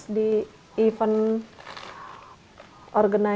jadi teteh juga langsung sempat pacar ke rumah